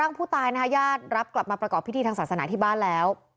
ผู้ตายนะคะญาติรับกลับมาประกอบพิธีทางศาสนาที่บ้านแล้ว